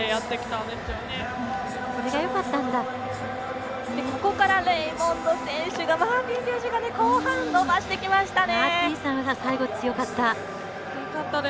そこからレイモンド・マーティン選手が後半、伸ばしてきましたね。